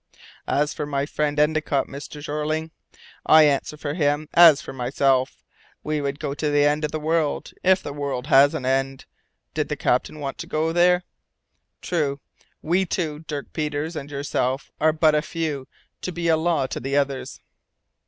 "As for my friend Endicott, Mr. Jeorling, I answer for him as for myself. We would go to the end of the world if the world has an end did the captain want to go there. True, we two, Dirk Peters and yourself, are but a few to be a law to the others."